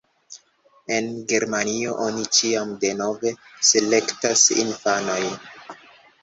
En Germanio oni ĉiam denove selektas infanojn.